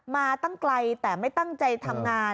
มาตั้งไกลแต่ไม่ตั้งใจทำงาน